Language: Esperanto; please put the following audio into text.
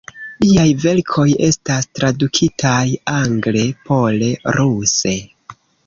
Liaj verkoj estas tradukitaj angle, pole, ruse.